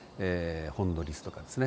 ホンドリスとかですね